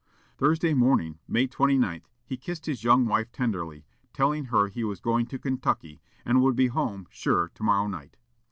Thursday morning, May 29, he kissed his young wife tenderly, telling her he was going to Kentucky, and "would be home, sure, to morrow night."